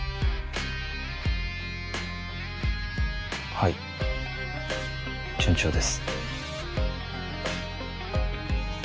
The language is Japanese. はい順調です